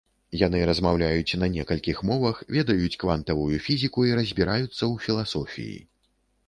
Яны размаўляюць на некалькіх мовах, ведаюць квантавую фізіку і разбіраюцца ў філасофіі.